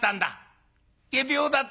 仮病だったんだ。